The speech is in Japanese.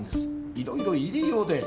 いろいろ入り用で。